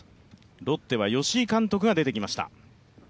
ロッテは吉井監督が出てきました。